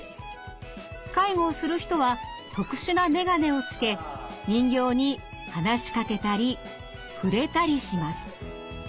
介護をする人は特殊な眼鏡をつけ人形に話しかけたり触れたりします。